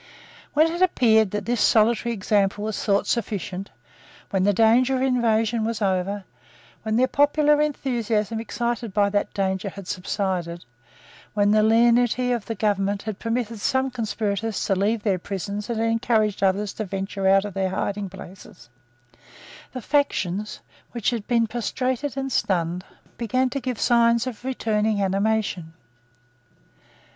When it appeared that this solitary example was thought sufficient, when the danger of invasion was over, when the popular enthusiasm excited by that danger had subsided, when the lenity of the government had permitted some conspirators to leave their prisons and had encouraged others to venture out of their hidingplaces, the faction which had been prostrated and stunned began to give signs of returning animation.